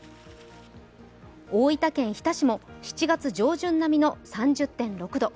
大分県日田市も７月上旬並みの３０．６度。